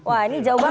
wah ini jauh banget